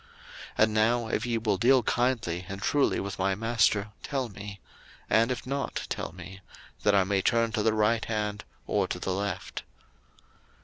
01:024:049 And now if ye will deal kindly and truly with my master, tell me: and if not, tell me; that I may turn to the right hand, or to the left.